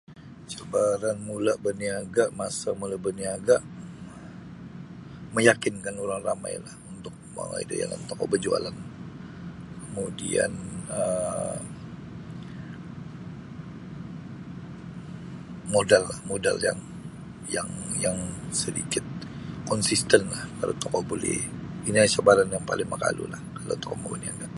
Cabaran mula berniaga masa mula baniaga meyakinkan orang ramailah untuk mongoi da yanan tokou bajualan kamudian um modal lah modal yang yang yang sedikit konsisten lah baru tokou buli ino cabaran yang paling makalu lah kalau tokou mau baniaga.